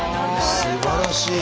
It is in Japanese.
すばらしい！